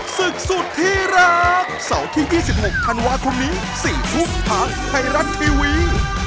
เสาร์ที่๒๖ธันวาคมี๔ปุ๊บทางไทยรันด์ทีวี